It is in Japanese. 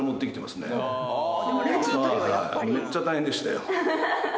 めっちゃ大変でしたよ。